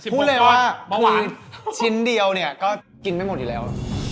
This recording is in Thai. พูดเลยว่าชิ้นเดียวเนี่ยก็กินไม่หมดอยู่แล้ว